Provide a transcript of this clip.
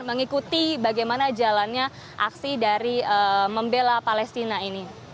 mengikuti bagaimana jalannya aksi dari membela palestina ini